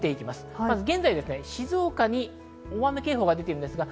現在静岡に大雨警報が出ています。